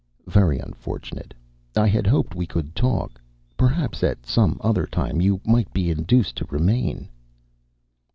Very unfortunate. I had hoped we could talk. Perhaps at some other time you might be induced to remain."